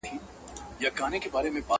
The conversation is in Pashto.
چي پر لاري برابر سي او سړی سي!